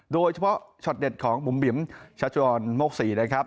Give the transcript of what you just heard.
โดยเฉพาะช็อตเด็ดของบุ๋มบิ๋มชาชุออนมกษี